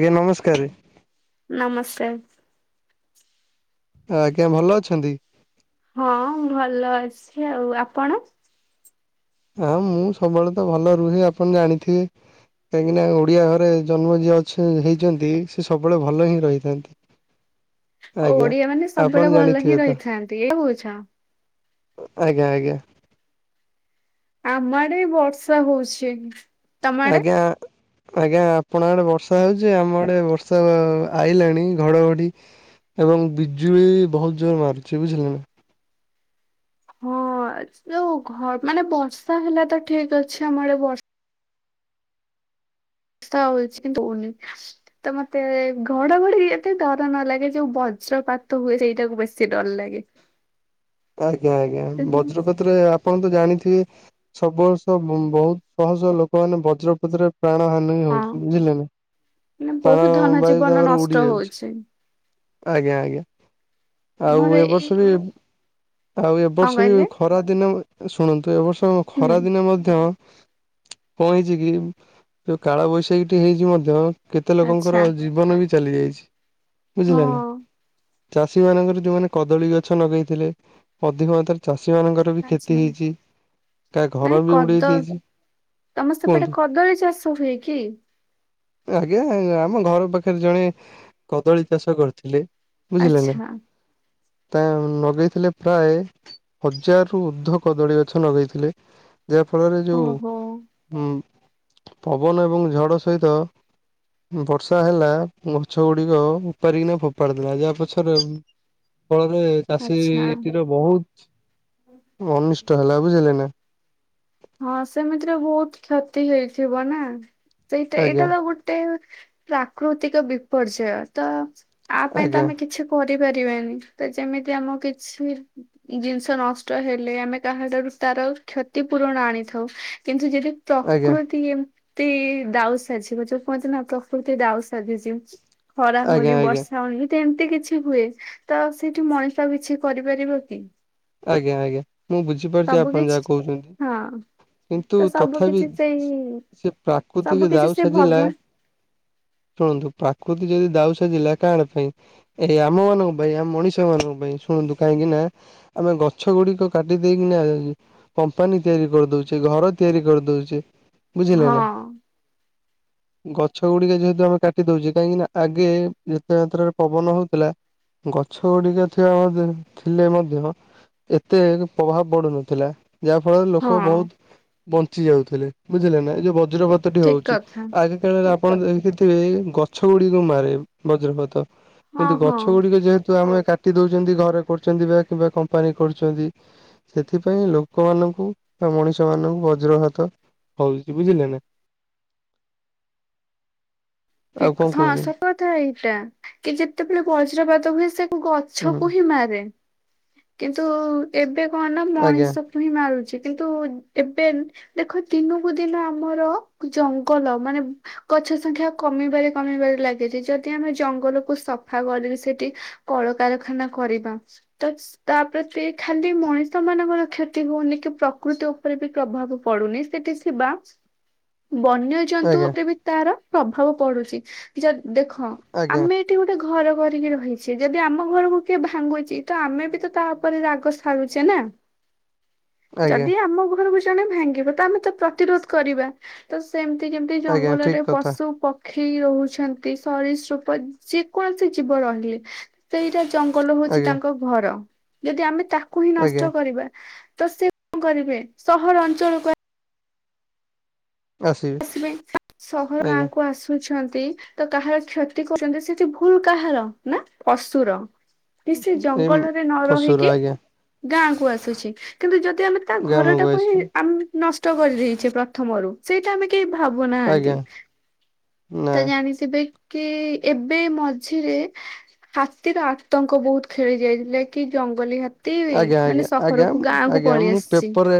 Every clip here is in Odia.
ଆଜ୍ଞା ନମସ୍କାରେ। ନମସ୍କାର। ଆଜ୍ଞା ଭଲ ଅଛନ୍ତି? ହଁ ଭଲ ଅଛି ଆଉ ଆପଣ? ହଁ ମୁଁ ସବୁବେଳେ ତ ଭଲ ରୁହେ ଆପଣ ଜାଣିଥିବେ? କାହିଁକି ନା ଓଡିଆ ଘରେ ଜନ୍ମ ଯିଏ ଅଛ ହେଇଛନ୍ତି ସେ ସବୁବେଳେ ଭଲ ହିଁ ରହିଥାନ୍ତି। ଆଜ୍ଞା ଓଡିଆ ମାନେ ଆପଣ ସବୁବେଳେ ଭଲ ଜାଣିଥିବେ ହିଁ ତ ରହିଥାନ୍ତି ଏଇଆ କହୁଛ। ଆଜ୍ଞା ଆଜ୍ଞା। ଆମ ଆଡେ ବର୍ଷା ହୋଉଛି। ଆଜ୍ଞା ଆଜ୍ଞା ଆପଣଙ୍କ ଆଡେ ବର୍ଷା ହୋଉଚି। ଆମ ଆଡେ ବର୍ଷା ଆ ଆଇଲାଣି ଘଡଘଡି ଏବଂ ବିଜୁଳି ବହୁତ୍ ଜୋରରେ ମାରୁଚି। ବୁଝିଲେ ନା? ହଁ ଯୋଉ ଘ ମାନେ ବର୍ଷା ହେଲା ତ ଠିକ୍ ଅଛି। ଆମ ଆଡେ ବ ତା ହୋଉଚି। କିନ୍ତୁ ଉନି। ତ ମତେ ଘଡଘଡି ଏତେ ଡର ନ ଲାଗେ। ଯୋଉ ବଜ୍ରପାତ ହୁଏ ସେଇଟାକୁ ବେଶୀ ସି ଡରଲାଗେ। ଆଜ୍ଞା ଆଜ୍ଞା ବଜ୍ରପ୍ରାତ ତରେ ଆପଣ ତ ଜାଣିଥିବେ ସବୁ ବର୍ଷ ବ ବହୁତ୍ ଶହ ଶହ ଲୋକମାନେ ବଜ୍ରପାତରେ ପ୍ରାଣ ହାନି ହଁ ହୋଉଚି ବୁଝିଲେ ନା। ମାନେ ବହୁତ ପ୍ରାଣ ଧନ ବାୟୁ ଜୀବନ ତାଙ୍କର ନଷ୍ଟ ଉଡି ଯାଉଚି। ହଉଛି। ଆଜ୍ଞା ଆଜ୍ଞା ଆମର ଆଉ ଏ ଏଇ ବର୍ଷ ବି ଆଉ ଏ କଣ ବର୍ଷ ବି କହିଲେ ଖରା ଦିନେ ଶୁଣନ୍ତୁ ଏବର୍ଷ ହୁଁ ଖରା ଦିନେ ମଧ୍ୟ କଣ ହେଇଚିକି ଯୋଉ କାଳ ବୈଶାଖୀଟି ହେଇଚି ମଧ୍ୟ କେତେ ଆଚ୍ଛା ଲୋକଙ୍କର ଜୀବନ ବି ଚାଲି ଯାଇଚି। ବୁଝିଲେ ନା। ହଁ ଚାଷୀ ମାନଙ୍କର ଯୋଉମାନେ କଦଳୀ ଗଛ ନଗେଇଥିଲେ ଅଧିକ ମାତ୍ରାରେ ଚାଷୀ ମାନଙ୍କର ବି କ୍ଷତି ଆଚ୍ଛା। ହେଇଚି। ନାଇଁ କଦ ତମ କୁହନ୍ତୁ। ସେପଟେ କଦଳୀ ଚାଷ ହୁଏ କି? ଆଜ୍ଞା ଆମ ଘର ପାଖରେ ଜଣେ କଦଳୀ ଚାଷ କରିଥିଲେ। ବୁଝିଲେ ନା ଆଚ୍ଛା ତା ନଗେଇଥିଲେ ପ୍ରାୟେ ହଜାରରୁୁ ଉର୍ଦ୍ଧ୍ୱ କଦଳୀ ଗଛ ନଗେଇଥିଲେ। ଯାହା ଫଳରେ ଯୋଉ ଓହୋ ଉଁ ପବନ ଏବଂ ଝଡ଼ ସହିତ ବର୍ଷା ହେଲା ଗଛ ଗୁଡିକ ଉପାାରିକିନା ଫୋପାଡ଼ିଥିଲା ଯାହା ପଛରେ ଫଳରେ ଆଚ୍ଛା। ଚାଷୀଟିର ବହୁତ୍ ଅନିଷ୍ଟ ହେଲା ବୁଝିଲେ ନା। ହଁ ସେମିତିରେ ବହୁତ୍ କ୍ଷତି ହେଇଥିବ ନା ସେଇଟା ଏଇଟା ଆଜ୍ଞା ତ ଗୋଟେ ପ୍ରାକୃତିକ ବିପର୍ଯ୍ୟୟ ତ ଆ ପାଇଁ ତ ଆଜ୍ଞା ଆମେ କିଛି କରିପାରିବାନି ତ ଯେମିତି ଆମକୁ କିଛି ଜିନିଷ ନଷ୍ଟ ହେଲେ ଆମେ କାହାଠାରୁ ତାର କ୍ଷତି ପୁରଣ ଆଣିଥାଉ। କିନ୍ତୁ ଯଦି ଆଜ୍ଞା ପ୍ରକୃତି ତି ଦାଉ ସାଝିବ। ଯୋଉକହନ୍ତି ନା ପ୍ରକୃତି ଦାଉ ସାଧିଚି। ଖରା ଆଜ୍ଞା ହୋଉନି ଆଜ୍ଞା ବର୍ଷା ହୋଉନି ତ ଏମତି କିଛି ହୁଏ ତ ସେଇଠି ମଣିଷ କିଛି କରିପାରିବ କି? ଆଜ୍ଞା ଆଜ୍ଞା ମୁଁ ବୁଝିପାରୁଚି ସବୁ ଆପଣ କିଛି ଯାହା କହୁଚନ୍ତି ହଁ କିନ୍ତୁ ତ ସବୁ ତଥାପି କିଛି ସେଇ ସେ ସବୁ ପ୍ରାକୃତିକ କିଛି ଦାଉ ସେ ସାଜିଲା ଭଗବାନ ଶୁଣନ୍ତୁ ପ୍ରାକୃତି ଯଦି ଦାଉ ସାଧିଲା କାହାର ପାଇଁ ଏଇ ଆମ ମାନଙ୍କ ପାଇଁ ଆମ ମଣିଷ ମାନଙ୍କ ପାଇଁ ଶୁଣନ୍ତୁ କାହିଁକି ନା ଆମେ ଗଛ ଗୁଡିକ କାଟି ଦେଇକିନା ଆ କମ୍ପାନୀ ତିଆରି କରିଦଉଛି ଘର ତିଆରି କରିଦଉଛି ବୁଝିଲେ ନା [inaudible] ହଁ ଗଛ ଗୁଡିକ ଯେହେତୁ ଆମେ କାଟି ଦଉଚେ କାହିଁକି ନା ଆଗେ ଯେତେ ମାତ୍ରାରେ ପବନ ହଉଥିଲା ଗଛ ଗୁଡିକ ଥିବା ମଧ୍ୟ ଥିଲେ ମଧ୍ୟ ଏତେଏକେ ପ୍ରଭାବ ପଡୁନଥିଲା ଯାହା ଫଳରେ ହଁ ଲୋକ ବହୁତ ବଞ୍ଚି ଯାଉଥିଲେ ବୁଝିଲେନା ଏ ଯୋଉ ବଜ୍ରପାତଟି ଠିକ ହୋଉଚି କଥା। ଆଗେ ସେତେବେଳେ ଆପଣ ଦେଖିଥିବେ ଗଛ ଗୁଡିକୁ ମାରେ ବଜ୍ରପାତ ହଁ କିନ୍ତୁ ହଁ ଗଛ ଗୁଡିକ ଯେହେତୁ ଆମେ କାଟି ଦୋଉଚନ୍ତି ଘରେ କରୁଛନ୍ତି ବା କିମ୍ବା କମ୍ପାନୀ କରୁଛନ୍ତି ସେଥିପାଇଁ ଲୋକମାନଙ୍କୁ ବା ମଣିଷ ମାନଙ୍କୁ ବଜ୍ର ଘାତ ହଉ ଦିଦି ବୁଝିଲେ ନା। ଆଉ ଠିକ୍ କଣ ହଁ କହୁଛନ୍ତି ସେ କଥା ଏଇଟା କି ଯେତେବେଳେ ବଜ୍ରପାତ ହୁଏ ସେ ଗ ହୁଁ ଛକୁ ହିଁ ମାରେ। କିନ୍ତୁ ଏବେ କଂ ନା ଆଜ୍ଞା ମଣିଷକୁ ହିଁ ମାରୁଛି କିନ୍ତୁ ଏବେ ଦେଖ ଦିନକୁ ଦିନ ଆମର ଜଙ୍ଗଲ ମାନେ ଗଛ ସଂଖ୍ୟା କମିବାରେ କମିବାରେ ଲାଗିଛି ଯଦି ଆମେ ଜଙ୍ଗଲକୁୁ ସଫା କରିକି ସେଠି କଳକାରଖାନା କରିବା ତ ସ୍ ତାପ୍ରେ ସେ ଖାଲି ମଣିଷ ମାନଙ୍କର କ୍ଷତି ହଉନି କି ପ୍ରକୃତି ଉପରେ ବି ପ୍ରଭାବ ପଡୁନି ସେଠି ସ୍ ଥିବା ବନ୍ୟ ଜନ୍ତୁ ଆଜ୍ଞା ଉପରେ ବି ତାର ପ୍ରଭାବ ପଡୁଛି ଜଦ୍ ଦେଖ ଆଜ୍ଞା ଆମେ ଏଠି ଗୋଟେ ଘର କରିକି ରହିଛି ଯଦି ଆମ ଘରକୁ କିଏ ଭାଙ୍ଗୁଛି ତ ଆମେ ବି ତ ତା ଉପରେ ରାଗ ସାରୁଛେ ନା ଆଜ୍ଞା ଯଦି ଆମ ଘର କୁ ଜଣେ ଭାଙ୍ଗିବ ତ ଆମେ ତ ପ୍ରତିରୋଧ କରିବା ତ ସେମ୍ତି ଯେମ୍ତି ଆଜ୍ଞା ଠିକ ଜଙ୍ଗଲରେ କଥା ପଶୁ ପ ଖେଇ ରହୁଛନ୍ତି ସରୀ ସ୍ରୂପ ଯେକୌଣସି ଜୀବ ରହିଲେ ସେଇଟା ଜଙ୍ଗଲ ହଉଛି ଆଜ୍ଞା ତାଙ୍କ ଘର ଯଦି ଆମେ ତାକୁ ହିଁ ଆଜ୍ଞା ନଷ୍ଟ କରିବା ତ ସେ କରିବେ ସହର ଅଞ୍ଚଳକୁ ଆସିବେ। ଆସିବେ ସହର ଆଜ୍ଞା ଗାଁକୁ ଆସୁ ଛନ୍ତି ତ କାହାର କ୍ଷତି କରୁଛନ୍ତି ସେଠି ଭୁଲ୍ କାହାର ନା ପଶୁର। କି ସେ ଏଇ ଜଙ୍ଗଲରେ ନ ଫସୁର ରହିକି ଆଜ୍ଞା ଗାଁ କୁ ଆସୁଛି କିନ୍ତୁ ଯଦି ଆମେ ତା ଘରଟା ଗ୍ରାମକୁ କୁ ହିଁ ଆସିଛନ୍ତି ଆମ୍ ନଷ୍ଟ କରିଦେଇଛେ ପ୍ରଥମରୁ ସେଇଟା ଆମେ କେହି ଭାବୁନାହାନ୍ତି ଆଜ୍ଞା ନା ତ ଜାଣି ଥିବେ କି ଏବେ ମଝିରେ ହାତୀର ଆତଙ୍କ ବୋହୁତ୍ ଖେଳି ଯାଇଥିଲେ କି ଜଙ୍ଗଲୀ ହା ଆଜ୍ଞା ଆଜ୍ଞା ଆଜ୍ଞା ଆଜ୍ଞା ମୁଁ ଆସିଛି ପେପର୍ରେ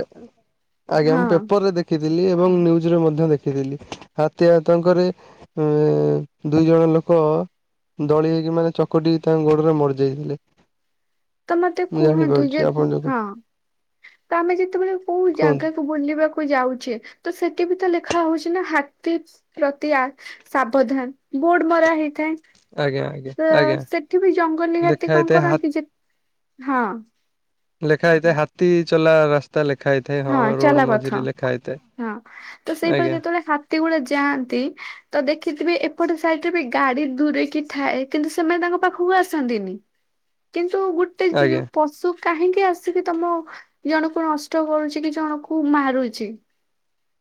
ଆଜ୍ଞା ମୁଁ ହଁ ପେପର୍ରେ ଦେଖ୍ ଖିଥିଲି ଏବଂ ନ୍ୱୁଜରେ ମଧ୍ୟ ଦେଖିଥିଲି ହାତୀ ଆତଙ୍କରେ ଉଁ ଦୁଇ ଜଣ ଲୋକ ଦଳି ହେଇକି ମାନେ ଚକଟି ତାଙ୍କ ଗୋଡରେ ମରିଯାଇଥିଲେ। ତ ମତେ ମୁଁ କୁହନ୍ତୁ ଜାଣିପାରୁଛି ଯେ ଆପଣ ଯୋଉ ହଁ ତ ଆମେ ଯେତେବେଳେ କୋଉ କୁହନ୍ତୁ। ଜାଗା ବୁଲିବାକୁ ଯାଉଛେ ତ ସେଠି ବି ତ ଲେଖା ହଉଛି ନା ହାତୀ ପ୍ରତି ଆ ସାବଧାନ୍ ବୋଡ୍ ମରା ହେଇଥାଏ। ଆଜ୍ଞା ଆଜ୍ଞା ତ ଆଜ୍ଞା ସେଠି ବି ଜଙ୍ଗଲୀ ହାତୀ ଲେଖା କଣ ହେଇଥାଏ ହା କରନ୍ତି ଯେ ହଁ ଲେଖା ହେଇଥାଏ ହାତୀ ଚଲା ରାସ୍ ତା ଲେଖା ହେଇଥାଏ। ହଁ ରୋଡ ଚାଲା ପଥ ମଝିରେ ଲେଖା ହେଇଥାଏ ହଁ ତ ସେଇପଟେ ଆଜ୍ଞା ଯେତେବେଳେ ହାତୀ ଗୁଡେ ଯାଆନ୍ତି। ତ ଦେଖିଥିବି ଏପଟେ ସାଇଟ୍ରେ ବି ଗାଡି ଦୂରେଇକି ଥାଏ କିନ୍ତୁ ସେମାନେ ତାଙ୍କ ପାଖକୁ ଆସନ୍ତିନି। କିନ୍ତୁ ଗୋଟେ ଆଜ୍ଞା ପଶୁ କାହିଁକି ଆସିକି ତମ ଜଣକୁ ନଷ୍ଟ କରୁଛି। କି ଜଣ କୁ ମାରୁଛି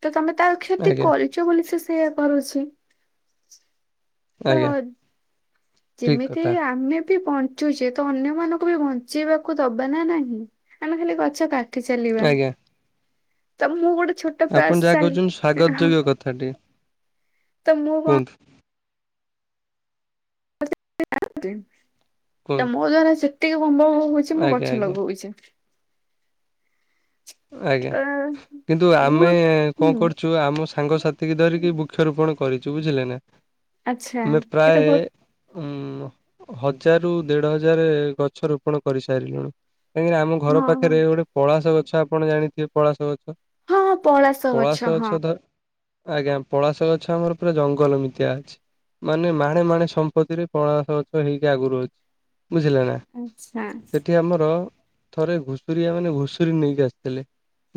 ତ ତମେ ତାର କ୍ଷତି ଆଜ୍ଞା କରି ଚ ବୋଲି ସେ ସେୟା କରୁଛି। ତ ଆଜ୍ଞା ହ ଠିକ ଯେମିତି କଥା ଆମେ ବି ବଞ୍ଚୁଛେ ତ ଅନ୍ୟମାନଙ୍କୁ ବି ବଞ୍ଚେଇବାକୁ ଦବା ନା ନାହିଁ। ଆମେ ଖାଲି ଗଛ କାଟି ଚାଲିବା ଆଜ୍ଞା ତ ମୁଁ ଗୋଟେ ଛୋଟ ଆପଣ ପ୍ରାୟସ୍ ଯାହା କହୁଛନ୍ତି ସ୍ଵାଗତ ଯୋଗ୍ୟ ଚାଲି କଥାଟି ତ ମୁଁ କଂ କୁହନ୍ତୁ ତ କୁହନ୍ତୁ ମୋ ଦ୍ଵାରା ସେତିକି ହୋମ୍ବ ହଉଛି ମୁଁ ଆଜ୍ଞା ଗଛ ଆଜ୍ଞା ଲଗଉଛି। ଆଜ୍ଞା ତ କିନ୍ତୁ ମୁଁ ଆମେ କଣ ହୁଁ କରୁଛୁ ନ୍ତୁ ଆମ ସାଙ୍ଗସାଥି କି ଧରିକି ବୃକ୍ଷରୋପଣ କରିଛୁ ବୁଝିଲେ ନା। ଆଚ୍ଛା ନେ ଏଇଟା ପ୍ରାୟେ ବହୁତ ଉଁ ହଜାରୁ ଦେଢ ହଜାରେ ଗଛ ରୋପଣ କରିସାରିଲୁଣି। କାହିଁକିନା ଆମ ଘର ହଁ ହଁ ପାଖେରେ ଗୋଟେ ପଳାସ ଗଛ ଆପଣ ଜାଣିଥିବେ ପଳାସ ଗଛ? ହଁ ହଁ ପଳାସ ପଳାଶ ହଁ ଗଛ ତ ଆଜ୍ଞା ପଳାସ ଗଛ ଆମର ପୁରା ଜଙ୍ଗଲ ମିତିଆ ଅଛି। ମାନେ ମାଣେ ମାଣେ ସମ୍ପତ୍ତିରେ ପଳାସ ଗଛ ହେଇକି ଆଗୁରୁ ଅଛି ବୁଝିଲେ ନା ଆଚ୍ଛା ଏଠି ଆମର ଥରେ ଘୁଷୁରିଆ ମାନେ ଘୁଷୁରୀ ନେଇକି ଆସିଥିଲେ।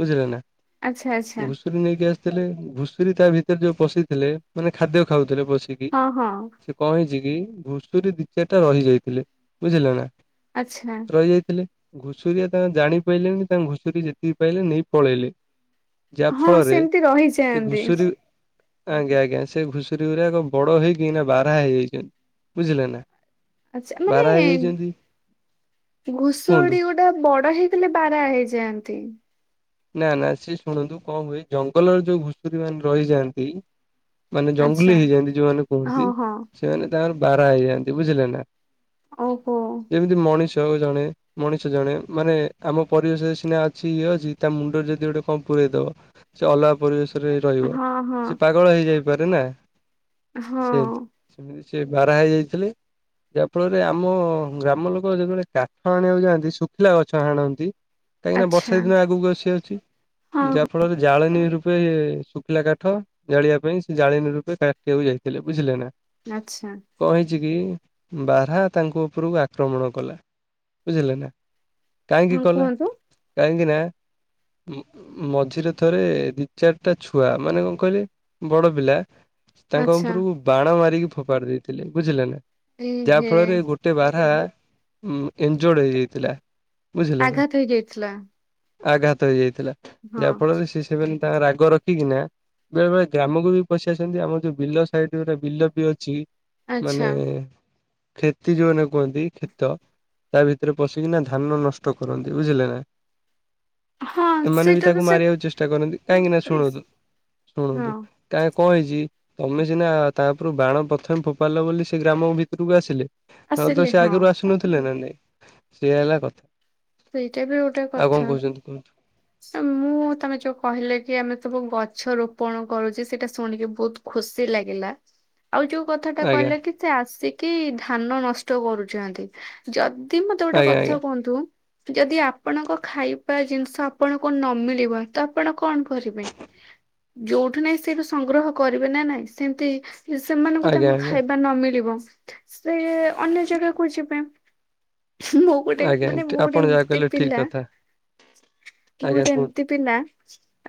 ବୁଝିଲେନା ଆଚ୍ଛା ଆଚ୍ଛା ଘୁଷ୍ ରୀ ନେଇକି ଆସିଥିଲେ ଘୁଷୁରୀ ତା ଭିତରେ ଯୋଉ ପଶିଥିଲେ ମାନେ ଖାଦ୍ୟ ଖାଉଥିଲେ ପଶିକି କି ହଁ ହଁ ସେ କଣ ହେଇଛି କି ଘୁଷୁରୀ ଦି ଚାରିଟା ରହି ଯାଇଥିଲେ ବୁଝିଲେ ନା ଆଛା। ପାଇ ଯାଇଥିଲେ ଘୁଷୁରିଆ ତାଙ୍କ ଜାଣି ପାଇଲେନି ତାଙ୍କ ଘୁଷୁରୀ ଯେତିକି ପାଇଲେ ନେଇ ପଳେଇଲେ। ଯା ହଁ ଫଳରେ ସେମିତି ସେ ରହିଯାଆନ୍ତି। ଘୁଷୁରୀ ଆଜ୍ଞା ଆଜ୍ଞା ସେ ଘୁଷୁରୀ ଗୁରାକ ବଡ ହେଇକି ଏଇନା ବାରା ହେଇଯାଇଛନ୍ତି ବୁଝିଲେ ନା ଆଛା ବାରା ମାନେ ହେଇଯାଇଛନ୍ତି କୁହନ୍ତୁ ଘୁଷଡି ଗୋ କ ବଡ ହେଇଲେ ବାରା ହେଇଯାଆନ୍ତି। ନା ନା ସିଏ ଶୁଣନ୍ତୁ କଣ ହୁଏ ଜଙ୍ଗଲରେ ଯୋଉ ଘୁଷୁରୀ ମାନେ ରହିଯାଆନ୍ତି ମାନେ ଜଙ୍ଗ୍ ଲୀ ଆଚ୍ଛା ହେଇଯାନ୍ତି ଯୋଉମାନେ ହଁ କୁହନ୍ତି ହଁ ସେମାନେ ତାଙ୍କର ବାରା ହେଇଯାଆନ୍ତି ବୁଝିଲେ ନା ଓହୋ ଯେମିତି ମଣିଷ ଜଣେ ମଣିଷ ଜଣେ ମାନେ ଆମ ପରିବେଶରେ ସିନା ଅଛି ଇଏ ଅଛି ତା ମୁଣ୍ଡରେ ଯଦି ଗୋଟେ କଣ ପୁରେଇ ଦବ ସେ ଅଲଗା ପରିବେଶରେ ରହିବ ହଁ ହଁ ସେ ପାଗଳ ହେଇଯାଇ ପାରେନା ହଁ ସେ ସେ ବାରା ହେଇ ଯାଇଥିଲେ ଯା ଫଳରେ ଆମ ଗ୍ରାମ ଲୋକ ଯେତେବେଳେ କାଠ ଆଣିବାକୁ ଯାଆନ୍ତି ଶୁଖିଲା ଗଛ ହାଣନ୍ତି କାହିଁକିନା ଆଚ୍ଛା ବର୍ଷା ଦିନ ଆଗକୁ ଅସିିଅଛି ହଁ ଯା ହଁ ଫଳରେ ଜାଳେଣୀ ରୂପେ ଶୁଖିଲା କାଠ ଜାଳିବା ପାଇଁ ସେ ଜାଳେନୀ ରୂପେ କାଟିଆକୁ ଯାଇଥିଲେ ବୁଝିଲେ ନା ଆଚ୍ଛା। କହିଛି କି ବାର୍ ହା ତାଙ୍କ ଉପରକୁ ଆକ୍ରମଣ କଲା ବୁଝିଲେ ନା କାହିଁକି ହଁ କଲେ କୁହନ୍ତୁ କାହିଁକି ନା ଉଁ ମଝିରେ ଥରେ ଦି ଚାରିଟା ଛୁଆ ମାନେ କଣ କହିଲେ ବଡ ପିଲା ତାଙ୍କ ଆଚ୍ଛା ଉପରକୁ ବାଣ ମାରିକି ଫୋପାଡ଼ି ଦେଇଥିଲେ ବୁଝିଲେ ନା ଏ ଯା ହେ ଫଳରେ ଗୋ ଟେ ବାର୍ ହା ଉଁ ଏନଜୋଡ୍ ହେଇଯାଇଥିଲା। ଆଘାତ୍ ହେଇଯାଇଥିଲା। ଆଘାତ୍ ହେଇଯାଇଥିଲା ହଁ ଯା ଫଳରେ ସିଏ ସିଭିନ୍ ତା ରାଗ ରଖିକିନା ବେଳେ ବେଳେ ଗ୍ରାମକୁ ବି ପଶି ଆସନ୍ତି ଆମର ଯୋଉ ବିଲ ସାଇଡ୍ ଗୋଟେ ବିଲ ବି ଅଛି ଆଚ୍ଛା ମାନେ କ୍ଷତି ଯୋଉମାନେ କୁହନ୍ତି କ୍ଷେତ ତା ଭିତରେ ପଶିକିନା ଧାନ ନଷ୍ଟ କରନ୍ତି ବୁଝିଲେ ନା ହଁ ଏମାନେ ବି ସେଇଟା ତ ତାକୁ ସେ ମାରିଆକୁ ଚେଷ୍ଟା କରନ୍ତି କାହିଁକି ନା ଶୁଣନ୍ତୁ ଶୁଣନ୍ତୁ ହଁ କା କଣ ହେଇଛି ତମେ ସିନା ତା ଉପରୁ ବାଣ ପ୍ରଥମେ ଫୋପାଡିଲ ବୋଲି ସେ ଗ୍ରାମ ଭିତରକୁ ଆସିଲେ। ନହେଲେ ତ ଆସିଲେ ସେ ହଁ ଆଗରୁ ଆସୁନଥିଲେ ନା ନାଇଁ ସେଇଆ ହେଲା କଥା। ସେଇଟା ବି ଗୋଟେ ଆଉ କଣ କଥା। କହୁଛନ୍ତି କୁହନ୍ତୁ ମୁଁ ତମେ ଯୋଉ କହିଲେ କି ଆମେ ସବୁ ଗଛ ରୋପଣ କରୁଚୁ ସେଇଟା ଶୁଣିକି ବହୁତ୍ ଖୁସି ଲାଗିଲା। ଆଉ ଯୋଉ କଥା ଟା ଆଜ୍ଞା କହିଲେ କି ସେ ଆସିକି ଧାନ ନଷ୍ଟ କରୁଚନ୍ତି। ଯଦି ମତେ ଗୋଟେ ଆଜ୍ଞା କଥା ଆଜ୍ଞା କୁହନ୍ତୁ ଯଦି ଆପଣଙ୍କ ଖାଇବା ଜିନିଷ ଆପଣଙ୍କୁ ନମିଳିବ ତ ଆପଣ କଣ କରିବେ? ଯୋଉଠୁ ନାଇଁ ସେଇଠୁ ସଂଗ୍ରହ କରିବେ ନା ନାଇଁ। ସେମିତି ଯଦି ସେମାନଙ୍କୁ ଆଜ୍ଞା ତାଙ୍କୁ ଖାଇବା ନ ମିଳିବ। ସେ ଅନ୍ୟ ଜାଗାକୁ ଯିବେ। ମୁବ୍ ଗୋଟେ ଆଜ୍ଞା ମାନେ ମୁଁ ଆଜ୍ଞା ଆପଣ ଗୋଟେ ଯାହା ଏମିତି କହିଲେ ଠିକ ପିଲା କଥା ମୁଁ ଆଜ୍ଞା ଗୋଟେ କୁହନ୍ତୁ ଏମିତି ପିଲା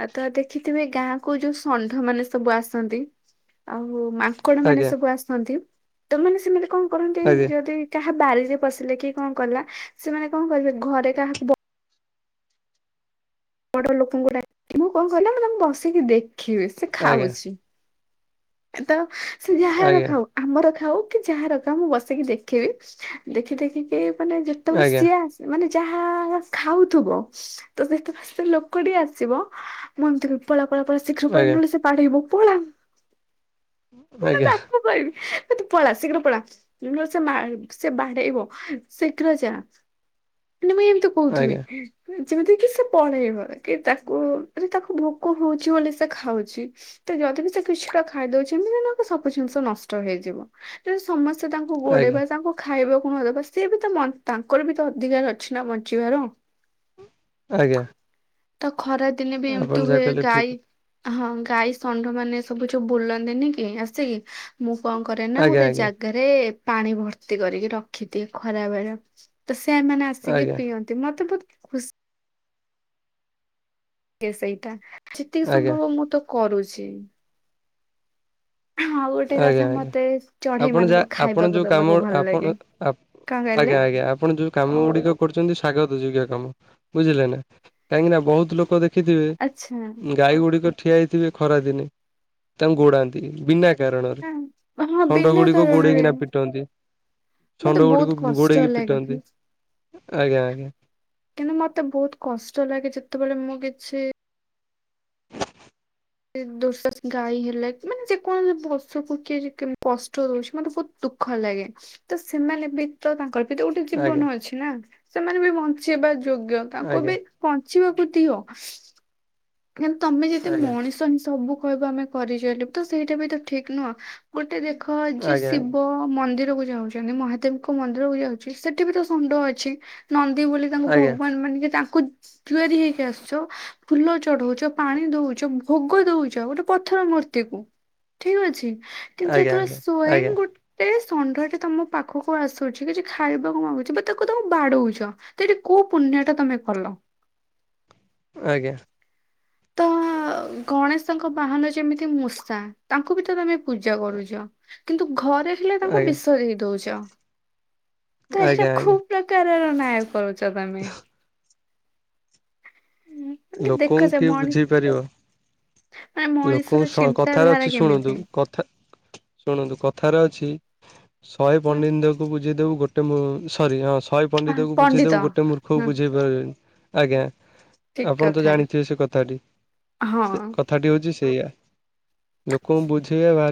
ଆଉ ତ ଦେଖିଥିବେ ଗାଁକୁ ଯୋଉ ଷଣ୍ଢ ମାନେ ସବୁ ଆସନ୍ତି। ଆଉ ମାଙ୍କଡ ମାନେ ଆଜ୍ଞା ସବୁ ଆସନ୍ତି ତ ମାନେ ସେମାନେ କଁ କରନ୍ତି ଆଜ୍ଞା ଯଦି କାହା ବାରିରେ ପଶିଲେ କି କଣ କଲା ସେମାନେ କଣ କରିବେ ଘରେ କାହାକୁ ବଡ ଲୋକଙ୍କୁ ଡାକିବ। ମୁଁ କଣ କଇଲ ମୁଁ ତାଙ୍କୁ ବସିକି ଦେଖିବି ସେ ଆଜ୍ଞା ଆଜ୍ଞା ଖାଉଚି। ତ ସେ ଯାହା ର ଆଜ୍ଞା ଆଜ୍ଞା ଖାଉ। ଆମର ଖାଉ କି ଯାହାର ଖାଉ ମୁଁ ବସିକି ଦେଖିବି ଦେଖି ଦେଖି ଦେଖି ମାନେ ଯେତେବେଳେ ଆଜ୍ଞା ସିଏ ଆସେ ମାନେ ଯାହା ର ଖାଉଥିବ। ତ ସେତେବେଳେ ସେ ଲୋକ ଟି ଆସିବ ମୁଁ ଏମିତି କ ପଳା ପଳା ପଳା। ଶୀଘ୍ର ପଳା ଆଜ୍ଞା ଆଜ୍ଞା ନ ଏଲେ ସେ ବାଢେଇବ ପଳା। ମୁଁ ନା ଆଜ୍ଞା ତାକୁ କହିବି। ତୁ ପଳା ଶୀଘ୍ର ପଳା ସେ ମା ସିଏ ବାଡେଇବ ଶୀଘ୍ର ଯାଆ। ନା ମୁଁ ଏମିତି କହୁଥିବି। ଯେମିତି କି ସେ ପଳେଇବ କି ତାକୁ ତାକୁ ଭୋକ ହଉଚି ବୋଲି ସେ ଖାଉଚି। ତ ଯଦି ବି ସେ କିଛିଟା ଖାଇଦଉଚନ୍ତି ଏମି ସବୁ ଜିନିଷ ନଷ୍ଟ ହେଇଯିବ। ଯଦି ସମସ୍ତେ ତାଙ୍କୁ ଗୋଡେଇବା ତାଙ୍କୁ ଖାଇବାକୁ ନଦେବା ସିଏ ବି ମତ ତାଙ୍କର ବି ତ ଅଧିକାର ଅଛି ନା ବଞ୍ଚିବାର। ଆଜ୍ଞା। ତ ଖରା ଦିନେ ବି ଏମିତି ହୁଏ କହିଲେ ଠିକ ଗାଈ ହଁ ଗାଈ ଷଣ୍ଢ ମାନେ ସବୁୁ ଯୋଉ ବୁଲନ୍ତିନି କି ଆସିକି ମୁଁ କଣ କରେ ନା କଥା ଆଜ୍ଞା ଗୋଟେ ଜାଗ୍ ଆଜ୍ଞା ଜାଗାରେ ପାଣି ଭର୍ତ୍ତି କରିକି ରଖିଦିଏ ଖରା ବେଳେ ତ ସେମାନେ ଆସିକି ଆଜ୍ଞା ପିଅନ୍ତି। ତ ମତେ ପୁରା ଖୁସି ଲାଗେ ସେଇଟା ଯେତିକି ଆଜ୍ଞା ସମ୍ଭବ ମୁଁ ତ କରୁଚି। ଗୋଟେ କଥା ଆଜ୍ଞା ଆଜ୍ଞା। ମତେ ଚଢେଇ ଆପଣ ମାନଙ୍କୁ ଯାହା ଆପଣ ଖାଇବାକୁ ଯୋଉ ଦବାକୁ କାମ ଭଲ ଲାଗେ। ଆପଣ ଆପ୍ କଣ କହିଲେ? ଆଜ୍ଞା ଆଜ୍ଞା। ଆପଣ ଦୁଉ କାମ ଗୁଡିକ କରୁଚନ୍ତି ସ୍ଵାଗତ ଯୋଗ୍ୟ କାମ ବୁଝିଲେ ନା, କାହିଁକି ନା ବହୁତ୍ ଲୋକ ଦେଖ୍ ଦେଖିଥିବେ ଆଚ୍ଛା ଗାଈ ଗୁଡିକ ଠିଆ ହେଇଥିବେ ଖରା ଦିନେ ତାଙ୍କୁ ଗୋଡାନ୍ତି। ବିନାକ୍ କାରଣ ରେ ନା ହଁ ଷଣ୍ଡ ବିନା ଗୁଡିକ କାରଣରେ ଗୋଡେଇକିନା ପିଟନ୍ତି। ମତେ ସଣ୍ଡ ବହୁତ ଗୁଡିକୁ କଷ୍ଟ ଗୋଡେଇକି ଲାଗେ। ପିଟନ୍ତି ଆଜ୍ଞା ଆଜ୍ଞା। କିନ୍ତୁ ମତେ ବହୁତ୍ କଷ୍ଟ ଲାଗେ ଯେତେବେଳେ ମୁଁ କିଛି ସେ ଦୋସର୍ ଗାଈ ହେଲେ ମାନେ ଯେକୌଣସି ପଶୁକୁ କି କେମ୍ କଷ୍ଟ ଦଉଚି ମତେ ବହୁତ୍ ଦୁଃଖ ଲାଗେ ତ ସେମାନେ ବି ତ ତାଙ୍କର ବି ତ ଗୋଟେ ଆଜ୍ଞା ଜୀବନ ଅଛି ନା ସେମାନେ ବି ବଞ୍ଚିଇବା ଯୋଗ୍ୟ ତାଙ୍କୁ ଆଜ୍ଞା ବି ବଞ୍ଚିବାକୁ ଦିଅ। କିନ୍ତୁ ତମେ ଯଦି ଆଜ୍ଞା ମଣିଷ ହିଁ ସବୁ କହିବ ଆମେ କରିଚାଲିବୁ ତ ସେଇଟା ବି ତ ଠିକ୍ ନୁହଁ। ଗୋଟେ ଦେଖ ଯିଏ ଆଜ୍ଞା ଶିବ ମନ୍ଦିର କୁ ଯାଉଚନ୍ତି ମହାଦେବଙ୍କ ମନ୍ଦିର କୁ ଯାଉଚି ସେଠି ବି ତ ଷଣ୍ଡ ଅଛି। ନନ୍ଦୀ ବୋଲି ତାଙ୍କୁ ଆଜ୍ଞା ଆଜ୍ଞା ଆଜ୍ଞା। ଭଗବାନ ମାନେ କି ତାଙ୍କୁ ତିଆରି ହେଇକି ଆସୁଚ ଫୁଲ ଚଢଉଚ ପାଣି ଦଉଚ ଭୋଗ ଦଉଚ ଗୋଟେ ପଥର ମୂର୍ତ୍ତିକୁ ଠିକ୍ ଅଛି। କିନ୍ତୁ ସେତବେଳେ ଆଜ୍ଞା ସ୍ଵୟଂ ଆଜ୍ଞା ଗୋ ଏ ଷଣ୍ଢଟି ତମ ପାଖକୁ ଆସୁଚି କିଛି ଖାଇବାକୁ ମାଗୁଛି ବା ତାକୁ ତମ ବାଡଉଚ। ତ କୋଉଠି କୋଉ ପୁଣ୍ୟ ଟା ତମେ କଲ? ଆଜ୍ଞା। ତ ଗଣେଶଙ୍କ ବାହାନ ଯେମିତି ମୂଷା ତାଙ୍କୁ ଭିତ ତମେ ପୂଜା କରୁଚ। କିନ୍ତୁ ଘରେ ଦେଖିଲେ ତାଙ୍କୁ ବିଷ ଦେଇ ଦଉଚ ତ ଏଇଟା ଆଜ୍ଞା ଆଜ୍ଞା ଖୁବ୍ ପ୍ରକାରର ନାୟ କରୁଛ। ଛ ତମେ। ମାନେ ଦେଖ ଲୋକଙ୍କୁ ସେ କିଏ ମଣିଷ ବୁଝେଇପାରିବ। ମାନେ ମଣିଷର ଲୋକଙ୍କୁ କଥାର ଚିନ୍ତାଧାରା ଅଛି ଶୁଣନ୍ତୁ କେମିତି? କଥା ଶୁଣନ୍ତୁ କଥାରେ ଅଛି ଶହେ ପଣ୍ଡିତଙ୍କୁ ପୂଝେଇ ଦବୁ ଗୋଟେ ଗୋଟେ ସରି ହଁ ଶହେ ପଣ୍ଡିତକୁ ପଣ୍ଡିତ ବୁଝେଇଦବୁ ଗୋଟେ ମୂର୍ଖକୁ ହଁ ବୁଝେଇ ପାର ଆଜ୍ଞା। ଠିକ ଆପଣ ତ କଥା ଜାଣିଥିବେ ସେ କଥାଟି ସେ ହଁ। କ କଥା ଟି ହେଉଚି ସେୟା ଲୋକଙ୍କୁ ବୁଝେଇ ବା ଭା